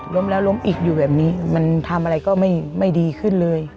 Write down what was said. ล้มแล้วล้มอีกอยู่แบบนี้มันทำอะไรก็ไม่ดีขึ้นเลย